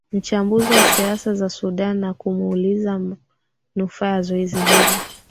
mchambuzi wa siasa za sudan na kumuuliza manufaa ya zoezi hili